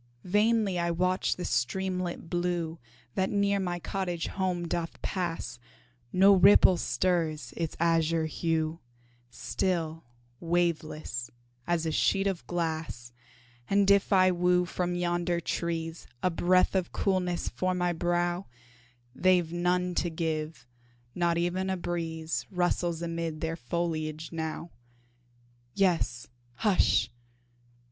Vainly I watch the streamlet blue That near my cottage home doth pass, No ripple stirs its azure hue, Still waveless, as a sheet of glass And if I woo from yonder trees A breath of coolness for my brow, They've none to give not e'en a breeze Rustles amid their foliage now; Yes, hush!